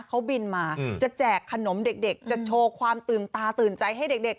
เขาบินมาจะแจกขนมเด็กจะโชว์ความตื่นตาตื่นใจให้เด็ก